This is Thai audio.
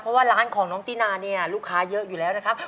เพราะว่าร้านของน้องตินาเนี่ยลูกค้าเยอะอยู่แล้วนะครับ